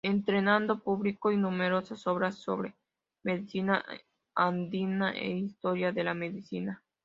Entretanto publicó numerosas obras sobre medicina andina e historia de la medicina.